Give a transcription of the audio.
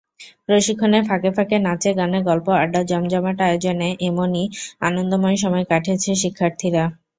প্রশিক্ষণের ফাঁকে ফাঁকে নাচে-গানে, গল্প-আড্ডার জমজমাট আয়োজনে এমনই আনন্দময় সময় কাটিয়েছে শিক্ষার্থীরা।